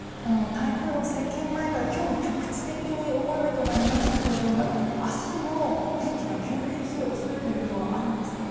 台風の接近前から今日も、局地的に大雨となりましたが明日も天気が急変する恐れというのはあるんですか？